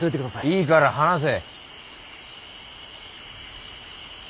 いいから話せ。